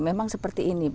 memang seperti ini